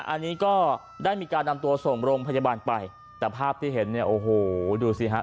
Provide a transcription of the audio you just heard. อันนี้ก็ได้มีการนำตัวส่งโรงพยาบาลไปแต่ภาพที่เห็นเนี่ยโอ้โหดูสิฮะ